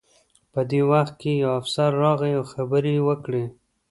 په دې وخت کې یو افسر راغی او خبرې یې وکړې